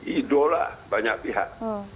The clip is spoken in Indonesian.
idola banyak pihak